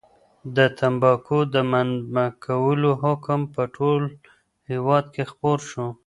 د تنباکو د منع کولو حکم په ټول هېواد کې خپور شو.